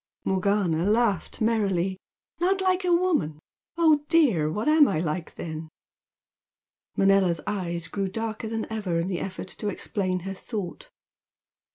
Morgana laughed merrily. "Not like a woman! Oh dear! What am I like then?" Manella's eyes grew darker than ever in the effort to explain her thought.